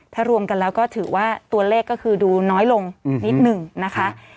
ถ้ารวมกันแล้วก็ถือว่าตัวเลขก็คือดูน้อยลงนิดหนึ่งนะคะ